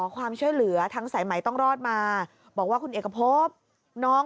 ความช่วยเหลือทั้งสายไหมต้องรอดมาบอกว่าคุณเอกพบน้อง